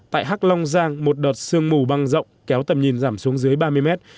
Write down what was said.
tại hắc long giang một đợt sương mù băng rộng kéo tầm nhìn giảm xuống dưới ba mươi mét